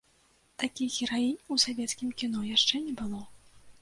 Такіх гераінь ў савецкім кіно яшчэ не было.